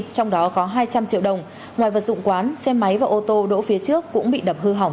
trong đó có hai trăm linh triệu đồng ngoài vật dụng quán xe máy và ô tô đỗ phía trước cũng bị đập hư hỏng